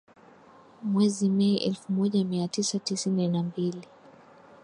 Mwezi Mei elfu moja mia tisa tisini na mbili